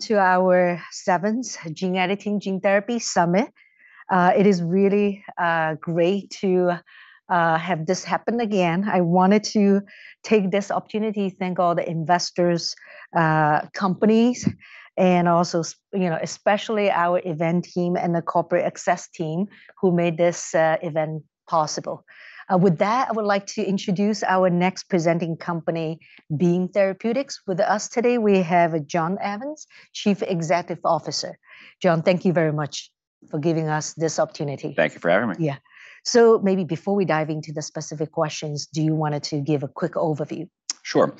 To our 7th Gene Editing, Gene Therapy Summit. It is really great to have this happen again. I wanted to take this opportunity to thank all the investors, companies, and also you know, especially our event team and the corporate access team who made this event possible. With that, I would like to introduce our next presenting company, Beam Therapeutics. With us today, we have John Evans, Chief Executive Officer. John, thank you very much for giving us this opportunity. Thank you for having me. Yeah. Maybe before we dive into the specific questions, do you wanted to give a quick overview? Sure.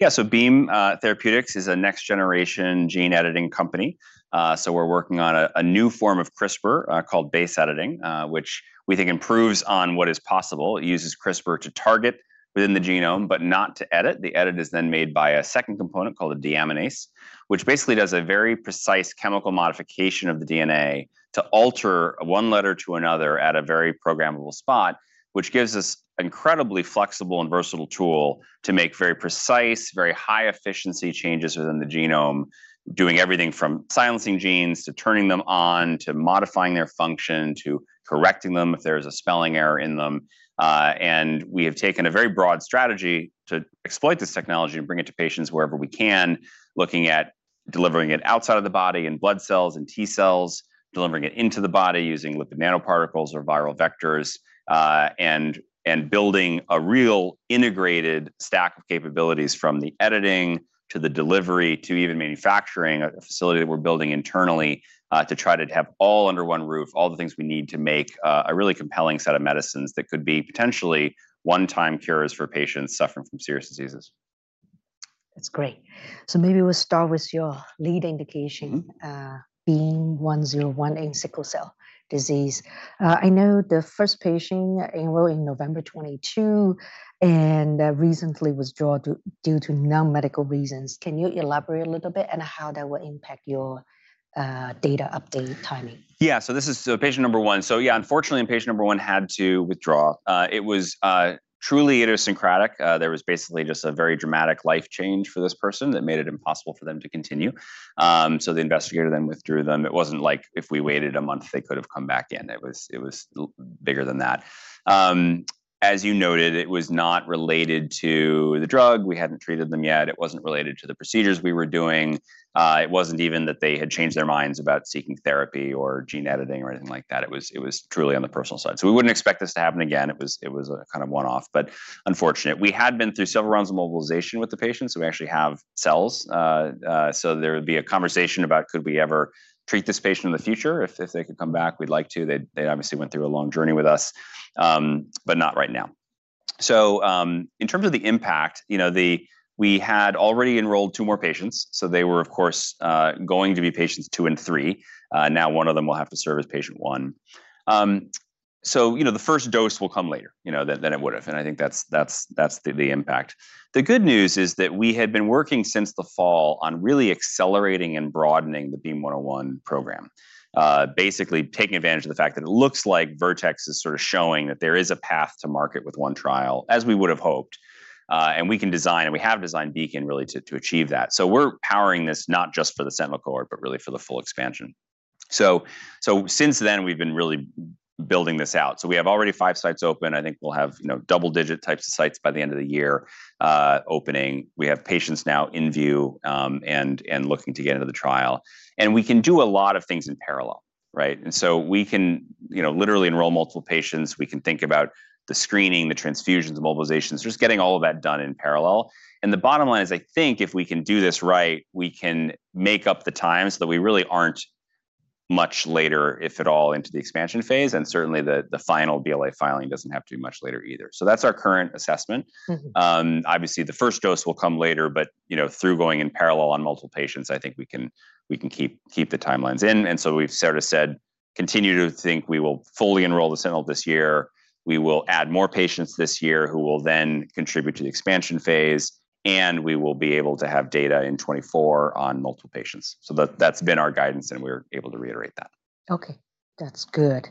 Yeah. Beam Therapeutics is a next generation gene-editing company. We're working on a new form of CRISPR, called base editing, which we think improves on what is possible. It uses CRISPR to target within the genome, but not to edit. The edit is then made by a second component called a Deaminase, which basically does a very precise chemical modification of the DNA to alter one letter to another at a very programmable spot, which gives this incredibly flexible and versatile tool to make very precise, very high efficiency changes within the genome, doing everything from silencing genes, to turning them on, to modifying their function, to correcting them if there's a spelling error in them. We have taken a very broad strategy to exploit this technology and bring it to patients wherever we can, looking at delivering it outside of the body in blood cells and T-cells, delivering it into the body using lipid nanoparticles or viral vectors, and building a real integrated stack of capabilities from the editing, to the delivery, to even manufacturing a facility that we're building internally, to try to have all under one roof, all the things we need to make a really compelling set of medicines that could be potentially one-time cures for patients suffering from serious diseases. That's great. Maybe we'll start with your lead indication Mm-hmm BEAM-101 in sickle cell disease. I know the first patient enrolled in November 2022 and recently withdraw due to non-medical reasons. Can you elaborate a little bit on how that will impact your data update timing? This is patient number 1. Unfortunately, patient number 1 had to withdraw. It was truly idiosyncratic. There was basically just a very dramatic life change for this person that made it impossible for them to continue. The investigator then withdrew them. It wasn't like if we waited a month, they could've come back in. It was, it was bigger than that. As you noted, it was not related to the drug. We hadn't treated them yet. It wasn't related to the procedures we were doing. It wasn't even that they had changed their minds about seeking therapy or gene editing or anything like that. It was, it was truly on the personal side. We wouldn't expect this to happen again. It was, it was a kind of one-off. Unfortunate. We had been through several rounds of mobilization with the patient, so we actually have cells. There would be a conversation about could we ever treat this patient in the future. If they could come back, we'd like to. They obviously went through a long journey with us, but not right now. In terms of the impact, you know, we had already enrolled two more patients, so they were of course, going to be patients 2 and 3. Now one of them will have to serve as patient 1. You know, the first dose will come later, you know, than it would've, and I think that's the impact. The good news is that we had been working since the fall on really accelerating and broadening the BEAM-101 program, basically taking advantage of the fact that it looks like Vertex is sort of showing that there is a path to market with one trial, as we would've hoped. We can design, and we have designed BEACON really to achieve that. We're powering this not just for the sentinel cohort, but really for the full expansion. Since then, we've been really building this out, so we have already five sites open. I think we'll have, you know, double-digit types of sites by the end of the year, opening. We have patients now in view, and looking to get into the trial. We can do a lot of things in parallel, right? We can, you know, literally enroll multiple patients. We can think about the screening, the transfusions, the mobilizations, just getting all of that done in parallel. The bottom line is I think if we can do this right, we can make up the time so that we really aren't much later, if at all, into the expansion phase, and certainly the final BLA filing doesn't have to be much later either. That's our current assessment. Mm-hmm. Obviously the first dose will come later, but, you know, through going in parallel on multiple patients, I think we can keep the timelines in. We've sort of said, continue to think we will fully enroll the sentinel this year. We will add more patients this year, who will then contribute to the expansion phase, and we will be able to have data in 2024 on multiple patients. That's been our guidance, and we're able to reiterate that. Okay. That's good.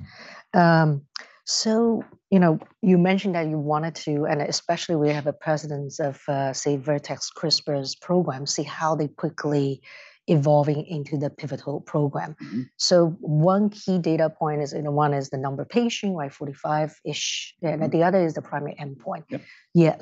you know, you mentioned that you wanted to, especially we have a precedence of, say, Vertex/CRISPR's program, see how they quickly evolving into the pivotal program. Mm-hmm. One key data point is, you know, one is the number of patient, right, 45-ish. Mm-hmm. The other is the primary endpoint. Yep.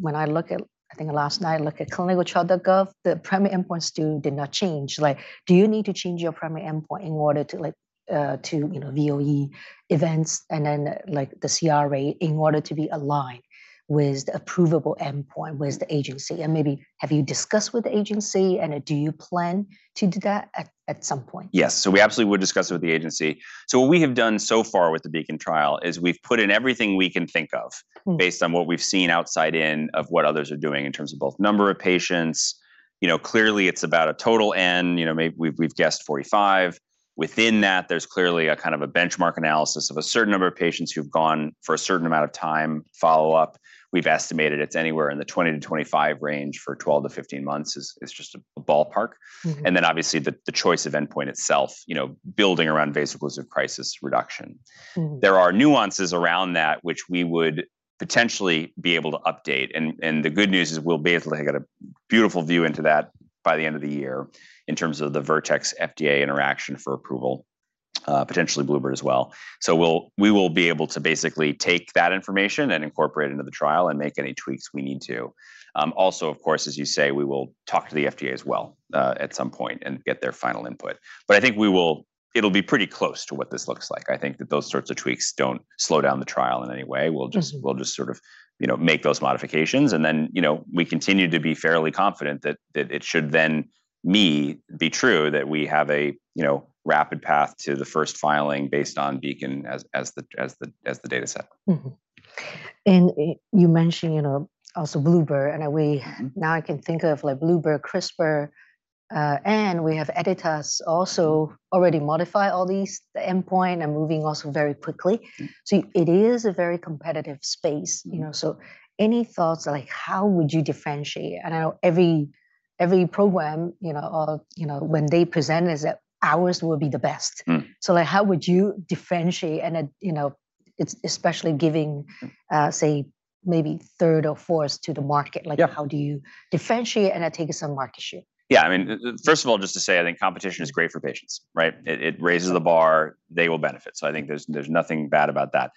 When I look at, I think last night, look at ClinicalTrials.gov, the primary endpoint still did not change. Like, do you need to change your primary endpoint in order to like, to, you know, VOE events and then, like, the Criteria in order to be aligned with the approvable endpoint with the agency? Maybe have you discussed with the agency, and do you plan to do that at some point? Yes. We absolutely would discuss it with the agency. What we have done so far with the BEACON trial is we've put in everything we can think of. Mm-hmm based on what we've seen outside in of what others are doing in terms of both number of patients. You know, clearly it's about a total N. You know, we've guessed 45. Within that, there's clearly a kind of a benchmark analysis of a certain number of patients who've gone for a certain amount of time follow-up. We've estimated it's anywhere in the 20-25 range for 12-15 months is just a ballpark. Mm-hmm. Then obviously the choice of endpoint itself, you know, building around vaso-occlusive crisis reduction. Mm-hmm. There are nuances around that which we would potentially be able to update. The good news is we'll basically get a beautiful view into that by the end of the year in terms of the Vertex FDA interaction for approval. Potentially Bluebird bio as well. We will be able to basically take that information and incorporate it into the trial and make any tweaks we need to. Also, of course, as you say, we will talk to the FDA as well, at some point and get their final input. I think it'll be pretty close to what this looks like. I think that those sorts of tweaks don't slow down the trial in any way. Mm-hmm. We'll just sort of, you know, make those modifications. You know, we continue to be fairly confident that it should then me be true that we have a, you know, rapid path to the first filing based on BEACON as the dataset. Mm-hmm. You mentioned, you know, also Bluebird. Mm-hmm. I can think of like Bluebird, CRISPR, and we have Editas also already modify all these, the endpoint, and moving also very quickly. It is a very competitive space, you know. Any thoughts like how would you differentiate? I know every program, you know, when they present is that ours will be the best. Mm. Like, how would you differentiate? And, you know, especially giving, say maybe third or fourth to the market Yeah. Like how do you differentiate and then take some market share? I mean, first of all, just to say I think competition is great for patients, right? It raises the bar, they will benefit. I think there's nothing bad about that.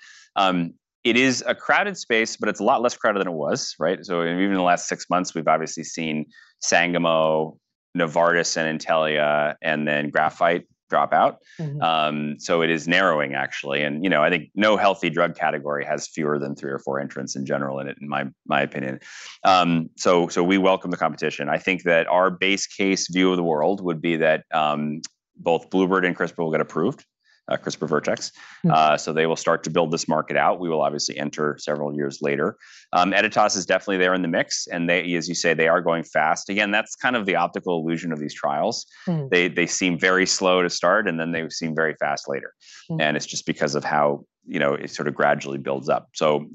It is a crowded space, but it's a lot less crowded than it was, right? Even in the last six months, we've obviously seen Sangamo, Novartis and Intellia, and then Graphite drop out. Mm-hmm. It is narrowing actually. You know, I think no healthy drug category has fewer than three or four entrants in general in it, in my opinion. We welcome the competition. I think that our base case view of the world would be that, both Bluebird and CRISPR will get approved, CRISPR Vertex. Mm. They will start to build this market out. We will obviously enter several years later. Editas is definitely there in the mix. They, as you say, they are going fast. That's kind of the optical illusion of these trials. Mm-hmm. They seem very slow to start, and then they seem very fast later. Mm-hmm. It's just because of how, you know, it sort of gradually builds up. You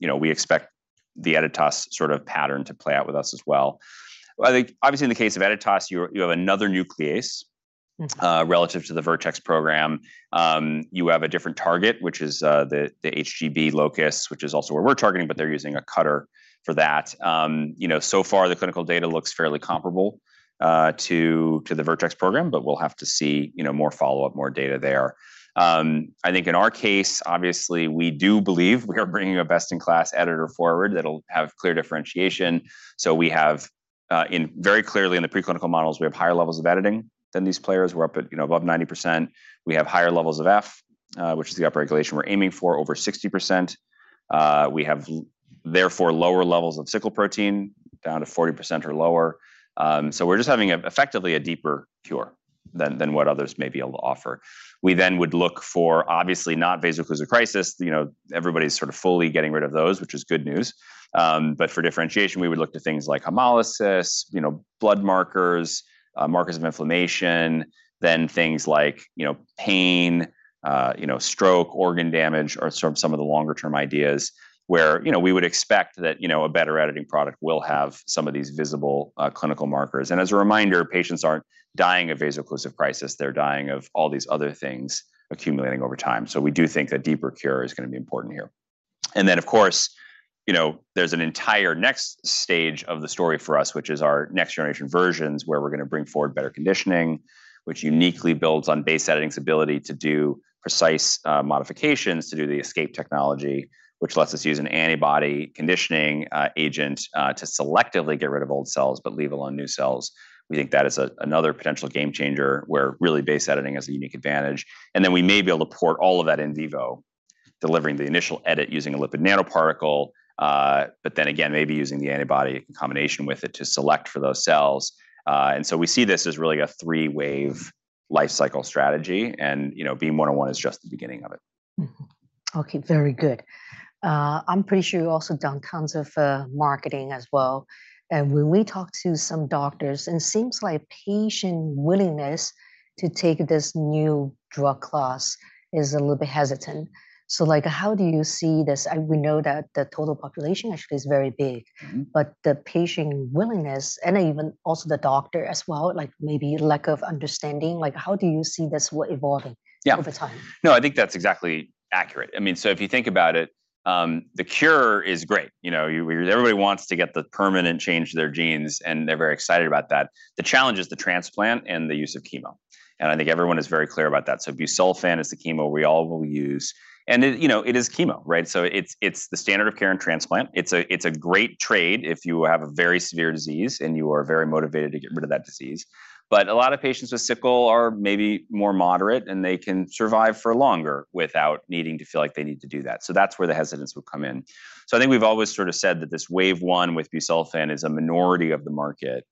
know, we expect the Editas sort of pattern to play out with us as well. I think obviously in the case of Editas, you have another nuclease Mm-hmm relative to the Vertex program. You have a different target, which is the HBG locus, which is also where we're targeting, but they're using a cutter for that. You know, so far the clinical data looks fairly comparable to the Vertex program, but we'll have to see, you know, more follow-up, more data there. I think in our case, obviously, we do believe we are bringing a best-in-class editor forward that'll have clear differentiation. We have very clearly in the preclinical models, we have higher levels of editing than these players. We're up at, you know, above 90%. We have higher levels of F, which is the upregulation we're aiming for, over 60%. We have therefore lower levels of sickle protein, down to 40% or lower. We're just having effectively a deeper cure than what others may be able to offer. We would look for, obviously, not vaso-occlusive crisis. You know, everybody's sort of fully getting rid of those, which is good news. For differentiation, we would look to things like hemolysis, you know, blood markers of inflammation, things like, you know, pain, you know, stroke, organ damage are sort of some of the longer term ideas where, you know, we would expect that, you know, a better editing product will have some of these visible clinical markers. As a reminder, patients aren't dying of vaso-occlusive crisis. They're dying of all these other things accumulating over time. We do think a deeper cure is gonna be important here. Of course, you know, there's an entire next stage of the story for us, which is our next generation versions, where we're gonna bring forward better conditioning, which uniquely builds on base editing's ability to do precise modifications, to do the ESCAPE technology, which lets us use an antibody conditioning agent to selectively get rid of old cells, but leave alone new cells. We think that is another potential game changer where really base editing has a unique advantage. We may be able to port all of that in vivo, delivering the initial edit using a lipid nanoparticle, but then again, maybe using the antibody in combination with it to select for those cells. We see this as really a three-wave life cycle strategy and, you know, BEAM-101 is just the beginning of it. Mm-hmm. Okay, very good. I'm pretty sure you've also done tons of marketing as well. When we talk to some doctors, it seems like patient willingness to take this new drug class is a little bit hesitant. Like how do you see this? We know that the total population actually is very big. Mm-hmm. The patient willingness and even also the doctor as well, like maybe lack of understanding, like how do you see this evolving? Yeah over time? No, I think that's exactly accurate. I mean, if you think about it, the cure is great. You know, everybody wants to get the permanent change to their genes, and they're very excited about that. The challenge is the transplant and the use of chemo, and I think everyone is very clear about that. Busulfan is the chemo we all will use. it, you know, it is chemo, right? it's the standard of care in transplant. It's a, it's a great trade if you have a very severe disease and you are very motivated to get rid of that disease. a lot of patients with sickle are maybe more moderate, and they can survive for longer without needing to feel like they need to do that. that's where the hesitance would come in. I think we've always sort of said that this wave one with busulfan is a minority of the market,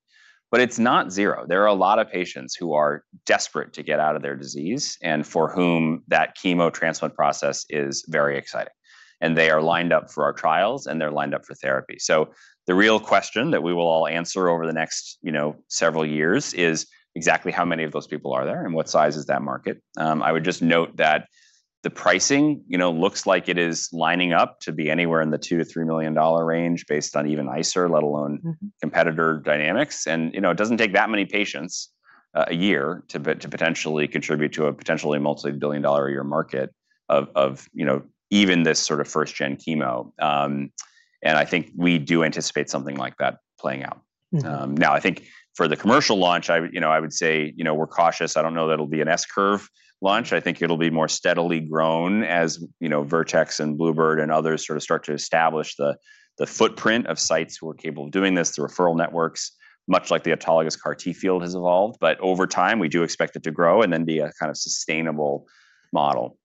but it's not zero. There are a lot of patients who are desperate to get out of their disease and for whom that chemo transplant process is very exciting. They are lined up for our trials, and they're lined up for therapy. The real question that we will all answer over the next, you know, several years is exactly how many of those people are there and what size is that market. I would just note that the pricing, you know, looks like it is lining up to be anywhere in the $2 million-$3 million range based on even ICER, let alone Mm-hmm competitor dynamics. You know, it doesn't take that many patients, a year to potentially contribute to a potentially multi-billion dollar a year market. Of, you know, even this sort of first -gen chemo. I think we do anticipate something like that playing out. Mm. Now I think for the commercial launch, I would, you know, I would say, you know, we're cautious. I don't know that'll be an S-curve launch. I think it'll be more steadily grown as, you know, Vertex and Bluebird and others sort of start to establish the footprint of sites who are capable of doing this, the referral networks, much like the autologous CAR T field has evolved. Over time, we do expect it to grow and then be a kind of sustainable model.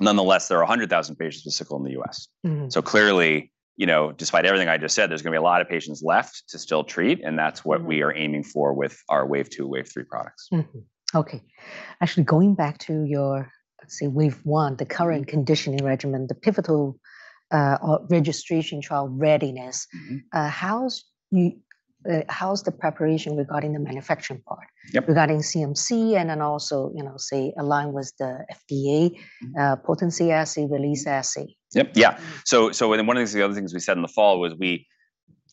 Nonetheless, there are 100,000 patients with sickle in the U.S. Mm. Clearly, you know, despite everything I just said, there's gonna be a lot of patients left to still treat, and that's what we are aiming for with our wave two, wave three products. Mm-hmm. Okay. Actually, going back to your, let's say, wave one, the current conditioning regimen, the pivotal, or registration trial readiness Mm-hmm. How's the preparation regarding the manufacturing part? Yep. Regarding CMC and then also, you know, say align with the FDA, potency assay, release assay. Yep. Yeah. One of the other things we said in the fall was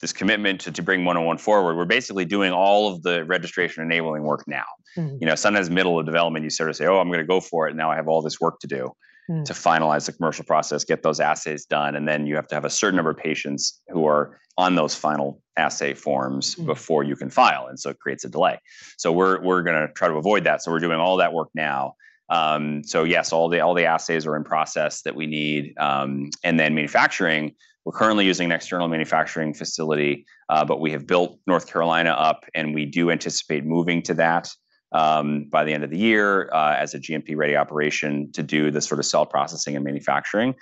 this commitment to bring BEAM-101 forward, we're basically doing all of the registration enabling work now. Mm-hmm. You know, sometimes middle of development, you sort of say, "Oh, I'm gonna go for it, now I have all this work to do" Mm. To finalize the commercial process, get those assays done. Then you have to have a certain number of patients who are on those final assay forms before you can file, and so it creates a delay. We're gonna try to avoid that, so we're doing all that work now. Yes, all the assays are in process that we need. Then manufacturing, we're currently using an external manufacturing facility, but we have built North Carolina up, and we do anticipate moving to that by the end of the year, as a GMP-ready operation to do the sort of cell processing and manufacturing.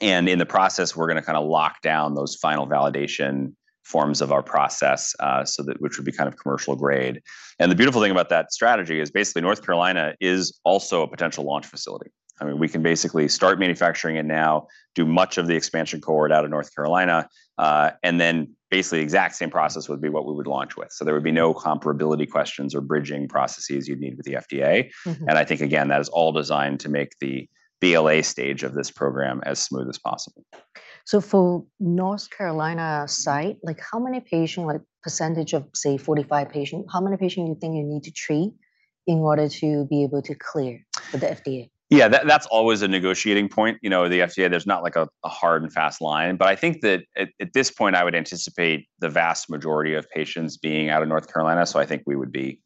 In the process, we're gonna kinda lock down those final validation forms of our process, so that which would be kind of commercial grade. The beautiful thing about that strategy is basically North Carolina is also a potential launch facility. I mean, we can basically start manufacturing it now, do much of the expansion cohort out of North Carolina, and then basically exact same process would be what we would launch with. There would be no comparability questions or bridging processes you'd need with the FDA. Mm-hmm. I think again, that is all designed to make the BLA stage of this program as smooth as possible. For North Carolina site, like how many patient, like percentage of, say, 45 patient, how many patient you think you need to treat in order to be able to clear with the FDA? Yeah, that's always a negotiating point. You know, the FDA, there's not like a hard and fast line. I think that at this point I would anticipate the vast majority of patients being out of North Carolina. I see.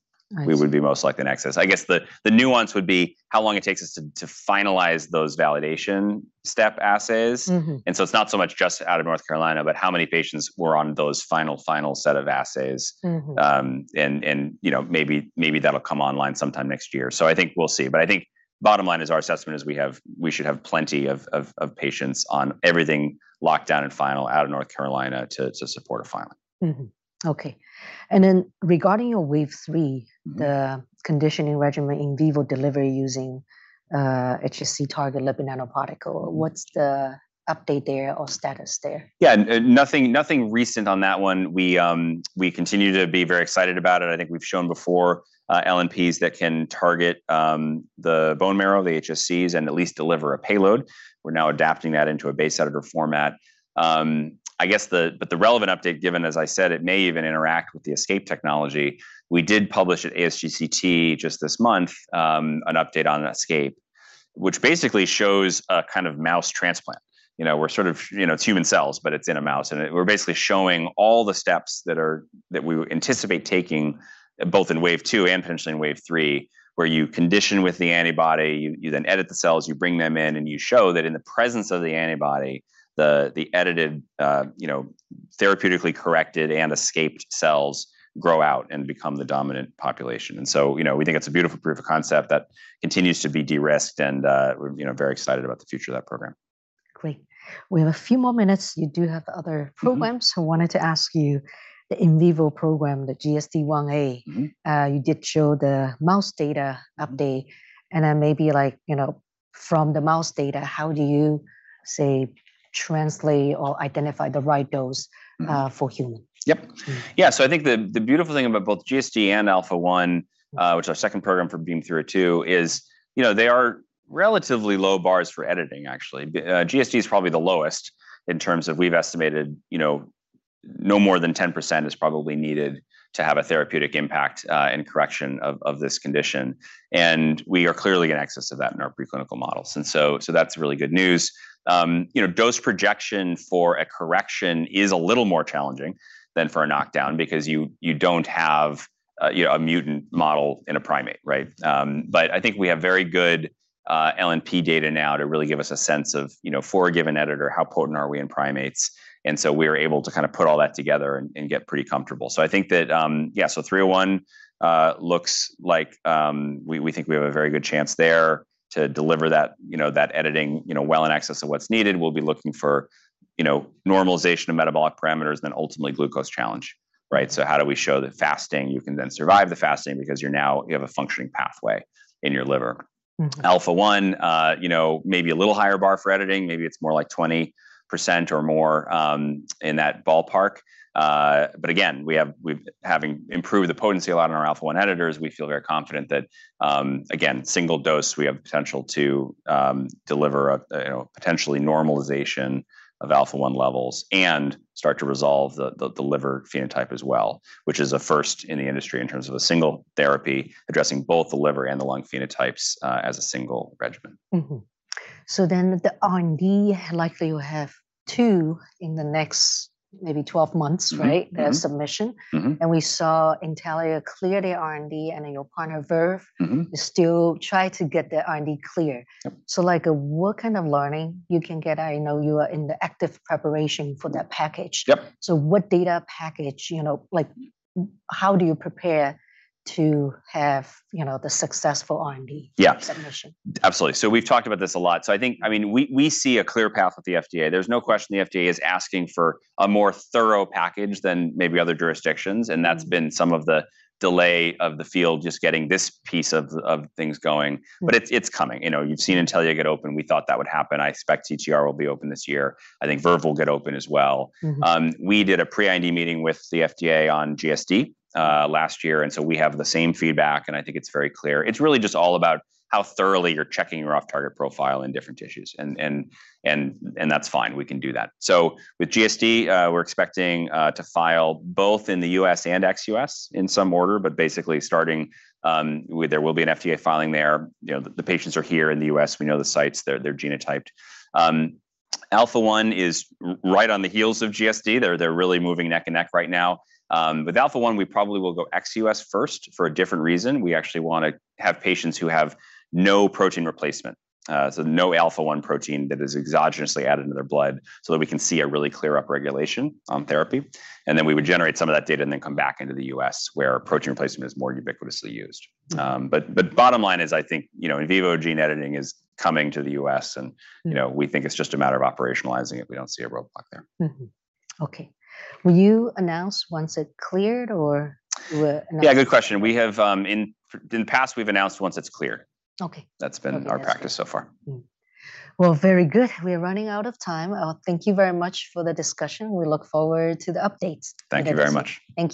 We would be most likely in excess. I guess the nuance would be how long it takes us to finalize those validation step assays. Mm-hmm. It's not so much just out of North Carolina, but how many patients were on those final set of assays. Mm-hmm. And, you know, maybe that'll come online sometime next year. I think we'll see. I think bottom line is our assessment is we should have plenty of patients on everything locked down and final out of North Carolina to support a filing. Okay. Regarding your wave three Mm-hmm. The conditioning regimen in vivo delivery using, HSC-targeted lipid nanoparticle, what's the update there or status there? Yeah. Nothing recent on that one. We continue to be very excited about it. I think we've shown before, LNPs that can target the bone marrow, the HSCs, and at least deliver a payload. We're now adapting that into a base editor format. I guess but the relevant update given, as I said, it may even interact with the ESCAPE technology, we did publish at ASGCT just this month, an update on ESCAPE, which basically shows a kind of mouse transplant. You know, we're sort of, You know, it's human cells, but it's in a mouse. We're basically showing all the steps that we anticipate taking both in wave 2 and potentially in wave 3, where you condition with the antibody, you then edit the cells, you bring them in, and you show that in the presence of the antibody, the edited, you know, therapeutically corrected and escaped cells grow out and become the dominant population. You know, we think it's a beautiful proof of concept that continues to be de-risked and we're, you know, very excited about the future of that program. Great. We have a few more minutes. You do have other programs. Mm-hmm. I wanted to ask you, the in vivo program, the GSD1a. Mm-hmm. You did show the mouse data update, and then maybe like, you know, from the mouse data, how do you, say, translate or identify the right dose, for human? Yep. Yeah. I think the beautiful thing about both GSD and Alpha-1, which our second program for Beam Therapeutics is, you know, they are relatively low bars for editing, actually. GSD is probably the lowest in terms of we've estimated, you know, no more than 10% is probably needed to have a therapeutic impact, and correction of this condition. We are clearly in excess of that in our preclinical models. That's really good news. You know, dose projection for a correction is a little more challenging than for a knockdown because you don't have, you know, a mutant model in a primate, right? I think we have very good LNP data now to really give us a sense of, you know, for a given editor, how potent are we in primates? We are able to kinda put all that together and get pretty comfortable. I think that, yeah, so 301 looks like we think we have a very good chance there to deliver that, you know, that editing, you know, well in excess of what's needed. We'll be looking for, you know, normalization of metabolic parameters, then ultimately glucose challenge, right? How do we show that fasting, you can then survive the fasting because you're now you have a functioning pathway in your liver. Mm-hmm. Alpha-1, you know, maybe a little higher bar for editing. Maybe it's more like 20% or more, in that ballpark. Again, with having improved the potency a lot on our Alpha-1 editors, we feel very confident that, again, single dose, we have the potential to deliver a, you know, potentially normalization of Alpha-1 levels and start to resolve the liver phenotype as well, which is a first in the industry in terms of a single therapy addressing both the liver and the lung phenotypes, as a single regimen. The IND, likely you have two in the next maybe 12 months, right? Mm-hmm. Their submission. Mm-hmm. We saw Intellia clear their IND, and then your partner, Verve Mm-hmm is still try to get their IND clear. Yep. like, what kind of learning you can get, I know you are in the active preparation for that package. Yep. What data package, you know, like, how do you prepare to have, you know, the successful IND? Yeah submission? Absolutely. We've talked about this a lot. I mean, we see a clear path with the FDA. There's no question the FDA is asking for a more thorough package than maybe other jurisdictions, and that's been some of the delay of the field just getting this piece of things going. Mm. It's coming. You know, you've seen Intellia get open. We thought that would happen. I expect TGR will be open this year. I think Verve will get open as well. Mm-hmm. We did a pre-IND meeting with the FDA on GSD last year. We have the same feedback. I think it's very clear. It's really just all about how thoroughly you're checking your off-target profile in different tissues, and that's fine. We can do that. With GSD, we're expecting to file both in the U.S. and ex-U.S. in some order, basically starting with there will be an FDA filing there. You know, the patients are here in the U.S. We know the sites. They're genotyped. Alpha-1 is right on the heels of GSD. They're really moving neck and neck right now. With Alpha-1, we probably will go ex-U.S. first for a different reason. We actually wanna have patients who have no protein replacement, so no Alpha-1 protein that is exogenously added to their blood, so that we can see a really clear up regulation on therapy, and then we would generate some of that data and then come back into the U.S., where protein replacement is more ubiquitously used. Bottom line is I think, you know, in vivo gene editing is coming to the U.S., and, you know, we think it's just a matter of operationalizing it. We don't see a roadblock there. Mm-hmm. Okay. Will you announce once it cleared, or will? Yeah, good question. We have in the past, we've announced once it's clear. Okay. That's been our practice so far. Very good. We're running out of time. Thank you very much for the discussion. We look forward to the updates. Thank you very much. Thank you.